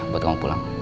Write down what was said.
buat kamu pulang